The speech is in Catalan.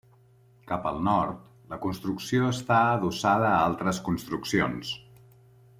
Cap al nord, la construcció està adossada a altres construccions.